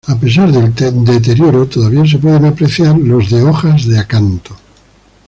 A pesar del deterioro todavía se pueden apreciar los de hojas de acanto.